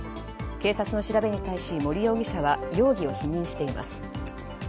警察の調べに対し、森容疑者は容疑を否認しています。